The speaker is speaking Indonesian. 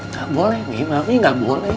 nggak boleh mi mami nggak boleh